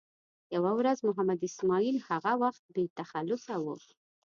یوه ورځ محمد اسماعیل هغه وخت بې تخلصه و.